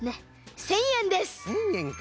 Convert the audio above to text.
１，０００えんか。